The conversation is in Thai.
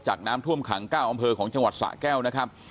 น้ำท่วมขัง๙อำเภอของจังหวัดสะแก้วนะครับ